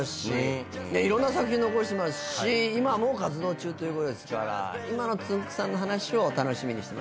いろんな作品残してますし今も活動中ということですから今のつんく♂さんの話を楽しみにしてまいりたいと思います。